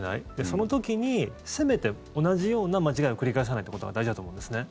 その時にせめて同じような間違いを繰り返さないということが大事だと思うんですね。